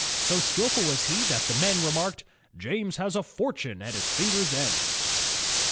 So skillful was he that the men remarked, "James has a fortime at his fingers' ends."